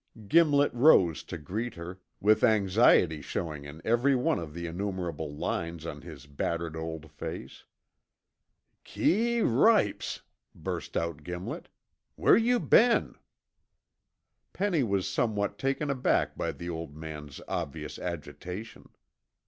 Gimlet rose to greet her, with anxiety showing in every one of the enumerable lines on his battered old face. "Keee ripes!" burst out Gimlet. "Where you been?" Penny was somewhat taken aback by the old man's obvious agitation.